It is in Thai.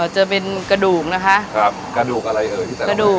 จะเป็นกระดูกนะคะครับกระดูกอะไรเอ่ยที่ใส่กระดูก